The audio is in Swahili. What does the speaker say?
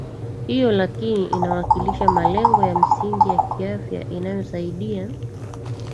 hiyo lakini inawakilisha malengo ya msingi ya kiafya inayosaidia